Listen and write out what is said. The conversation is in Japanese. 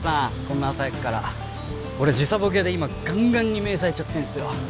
こんな朝早くから俺時差ボケで今ガンガンに目さえちゃってんすよ